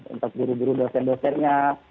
entah guru guru dosen dosennya